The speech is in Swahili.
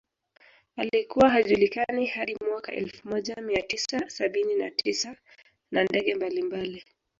Alikuwa hajulikani hadi mwaka elfu moja mia tisa sabini na tisa na ndege mbalimbali